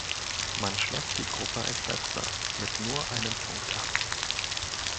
Man schloss die Gruppe als letzter mit nur einem Punkt ab.